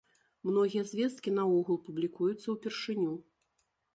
Многія звесткі наогул публікуюцца ўпершыню.